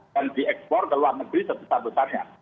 dan diekspor ke luar negeri sebesar besarnya